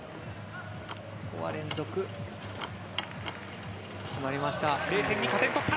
ここは連続、決まりました。